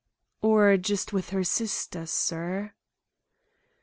"Or just with her sister, sir."